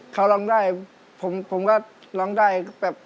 เขาร้องได้ผมก็ร้องได้แบบ